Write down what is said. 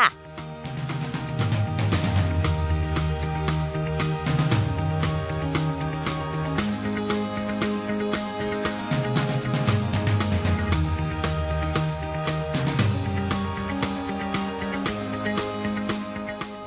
สวัสดีครับ